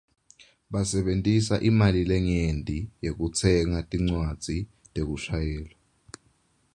Basebentisa imali lenyenti yekutsenga tincwadzi tekushayela.